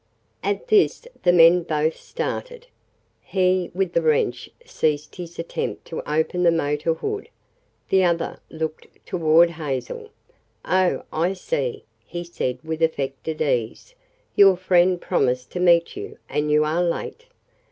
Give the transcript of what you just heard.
At this the men both started. He with the wrench ceased his attempt to open the motor hood. The other looked toward Hazel. "Oh, I see," he said with affected ease. "Your friend promised to meet you, and you are late."